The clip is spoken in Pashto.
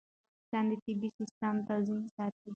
فاریاب د افغانستان د طبعي سیسټم توازن ساتي.